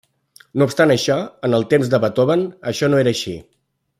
No obstant això, en el temps de Beethoven, això no era així.